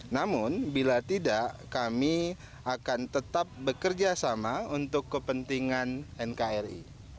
namun bila tidak kami akan tetap bekerja sama untuk kepentingan nkri